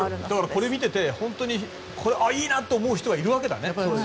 これを見てていいなと思う人がいるわけだね。